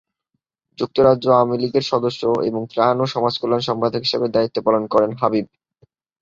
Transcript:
যুক্তরাজ্য আওয়ামী লীগের সদস্য এবং ত্রাণ ও সমাজকল্যাণ সম্পাদক হিসেবে দায়িত্ব পালন করেন হাবিব।